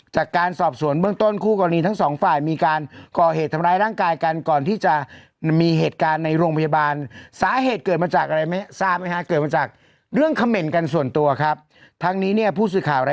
จากการสอบสวนเบื้องต้นคู่กรณีทั้งสองฝ่ายมีการ